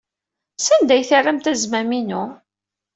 Sanda ay terramt azmam-inu?